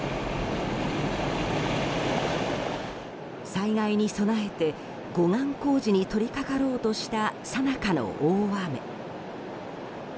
災害に備えて護岸工事に取り掛かろうとしたさなかの大雨。